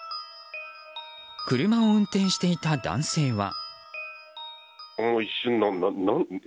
車を運転していた男性は。